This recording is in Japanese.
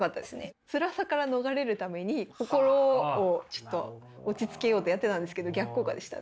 つらさから逃れるために心をちょっと落ち着けようってやってたんですけど逆効果でした。